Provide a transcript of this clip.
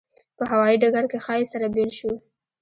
په هوایي ډګر کې ښایي سره بېل شو.